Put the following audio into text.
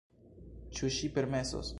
Ĉu ŝi permesos,?